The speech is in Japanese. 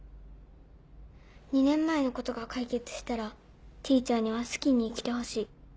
２年前のことが解決したらＴｅａｃｈｅｒには好きに生きてほしい。